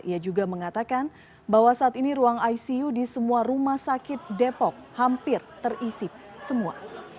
ia juga mengatakan bahwa saat ini ruang icu di semua rumah sakit depok hampir terisip semua